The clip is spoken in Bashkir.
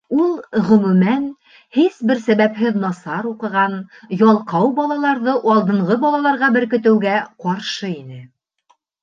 Ул, ғөмүмән, һис бер сәбәпһеҙ насар уҡыған, ялҡау балаларҙы алдынғы балаларға беркетеүгә ҡаршы ине.